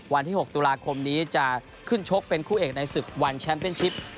วันที่๖ตุลาคมนี้จะขึ้นชกเป็นคู่เอกในศึกวันแชมป์เป็นชิป